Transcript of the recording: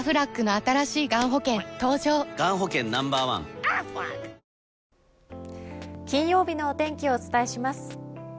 本麒麟金曜日のお天気をお伝えします。